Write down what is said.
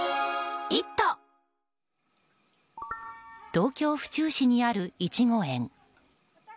東京・府中市にあるイチゴ園。